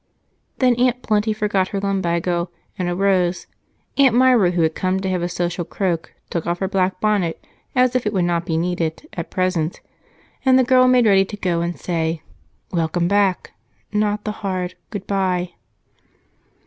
Then Aunt Plenty forgot her lumbago and arose; Aunt Myra, who had come to have a social croak, took off her black bonnet as if it would not be needed at present, and the girl made ready to go and say "Welcome back," not the hard "Good bye."